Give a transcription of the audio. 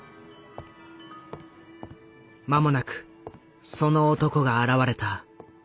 間もなくその男が現れた。